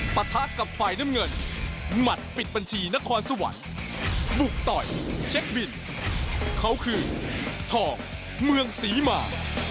ปะทะกับฝ่ายน้ำเงินหมัดปิดบัญชีนครสวรรค์บุกต่อยเช็คบินเขาคือทองเมืองศรีมา